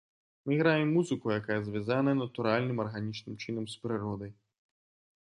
Мы граем музыку, якая звязаная натуральным, арганічным чынам з прыродай.